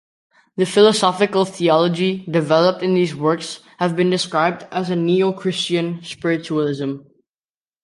The philosophical theology developed in these works has been described as a Neo-Christian Spiritualism.